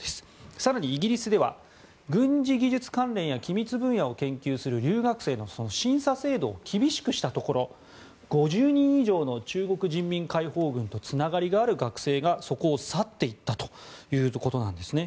更にイギリスでは軍事技術関連や機密分野を研究する留学生の審査制度を厳しくしたところ５０人以上の中国人民解放軍とつながりのある学生がそこを去っていったということです。